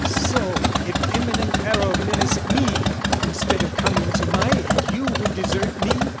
"So if imminent peril menaced me, instead of coming to my aid you would desert me?